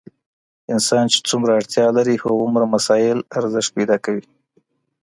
انسان چي څومره اړتیا لري هماغومره مسایل ارزښت پیدا کوي.